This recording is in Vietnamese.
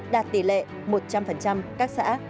đạt tỷ lệ một trăm linh các xã